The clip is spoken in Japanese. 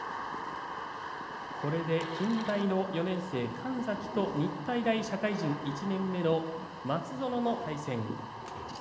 これで近畿大学４年の神崎と日体大、社会人１年目の松園の対戦。